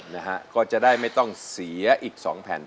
นะฮะก็จะได้ไม่ต้องเสียอีกสองแผ่น